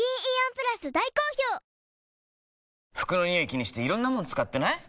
気にしていろんなもの使ってない？